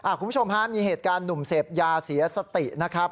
คุณผู้ชมฮะมีเหตุการณ์หนุ่มเสพยาเสียสตินะครับ